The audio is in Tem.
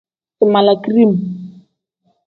Si mala kidim.